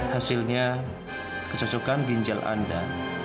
hasilnya kecocokan ginjal anda